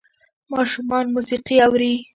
ماشومان موسیقي اوري.